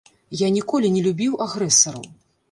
Я ніколі не любіў агрэсараў.